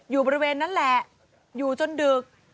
อยู่บริเวณนั้นแหละอยู่จนดึก